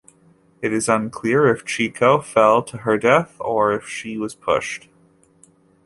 It is unclear if Chieko fell to her death or if she was pushed.